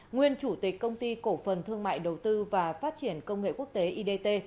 nguyên chủ tịch công ty cổ phần thương mại đầu tư và phát triển công nghệ quốc tế idt